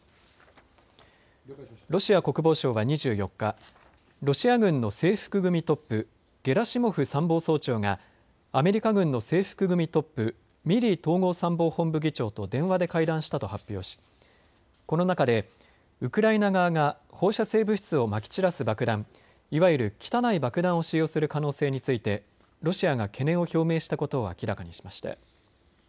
ロシア国防省は２４日、ロシア軍の制服組トップ、ゲラシモフ参謀総長がアメリカ軍の制服組トップ、ミリー統合参謀本部議長と電話で会談したと発表し、この中でウクライナ側が放射性物質をまき散らす爆弾、いわゆる汚い爆弾を使用する可能性についてロシアが懸念を表明したことを明らかにしました。